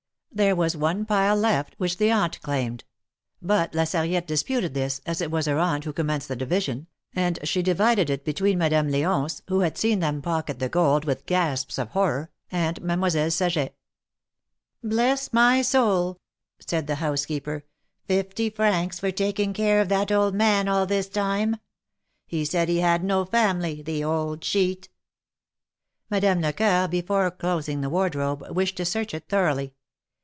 There was one pile left, which the Aunt claimed ; but La Sarriette disputed this, as it was her Aunt who com^ menced the division, and she divided it between Madame THE MAEKETS OF PAEIS. 301 lidonce, who had seen them pocket the gold with gasps of horror, and Mademoiselle Saget. Bless my soul said the housekeeper, fifty francs for taking care of that old man all this time] He said he had no family, the old cheat Madame Lecoeur, before elosing the wardrobe, wished to search it thoroughly.